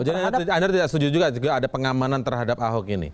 jadi anda tidak setuju juga ada pengamanan terhadap ahok ini